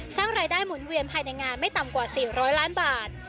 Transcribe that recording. สร้างรายได้หมุนเวียนภายในงานไม่ต่ำกว่า๔๐๐ล้านบาท